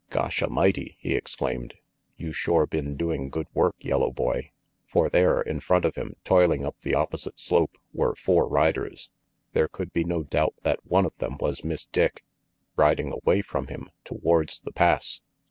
"Gosh A'mighty!" he exclaimed. "You shore been doing good work, yellow boy." For there, in front of him, toiling up the opposite slope, were four riders. There could be no doubt that one of them was Miss Dick. Riding away from him, towards the Pass!